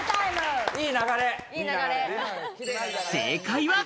正解は。